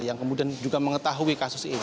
yang kemudian juga mengetahui kasus ini